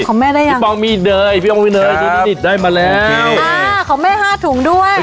ขอแม่ได้ยังพี่บองมีเดยพี่บองมีเดยได้มาแล้วอ่าขอแม่ห้าถุงด้วย